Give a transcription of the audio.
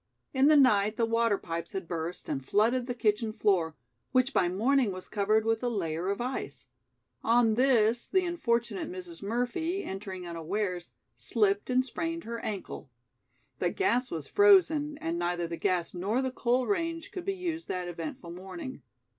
In the night the water pipes had burst and flooded the kitchen floor, which by morning was covered with a layer of ice. On this, the unfortunate Mrs. Murphy, entering unawares, slipped and sprained her ankle. The gas was frozen, and neither the gas nor the coal range could be used that eventful morning.